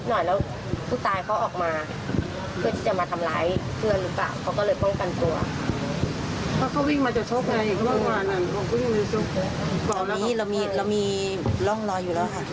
ร่องรอยตำรวจคนร้ายมีตำรวจก็ถ่ายร่องรอยแล้ว